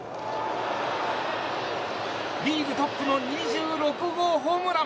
リーグトップの２６号ホームラン！